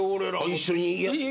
一緒にやって。